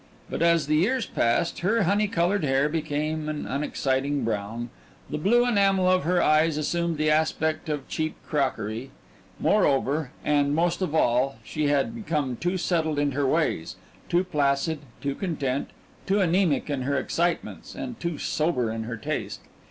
But, as the years passed, her honey coloured hair became an unexciting brown, the blue enamel of her eyes assumed the aspect of cheap crockery moreover, and, most of all, she had become too settled in her ways, too placid, too content, too anaemic in her excitements, and too sober in her taste.